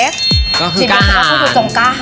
ก็คือกล้าหา